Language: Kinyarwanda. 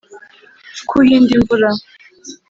ko uhinda imvura